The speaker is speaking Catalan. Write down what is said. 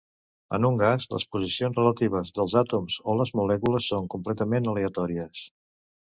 En un gas les posicions relatives dels àtoms o les molècules són completament aleatòries.